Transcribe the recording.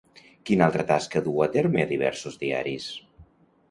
Quina altra tasca duu a terme a diversos diaris?